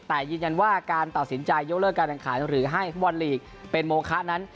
แต่ยืนยันว่าการตัดสินใจยกเลิกการแข่งขันหรือให้ฟุตบอลลีกเป็นโมคะนั้น